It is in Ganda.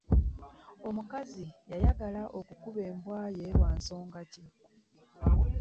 Omukazi yayagala okukuba embwa ye lwa nsonga ki?